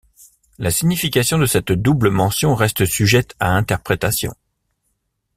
La signification de cette double mention reste sujette à interprétations.